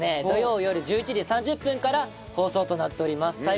土曜よる１１時３０分から放送となっております。